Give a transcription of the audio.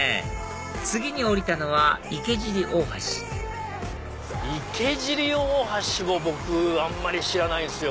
次に降りたのは池尻大橋池尻大橋も僕あんまり知らないんすよ。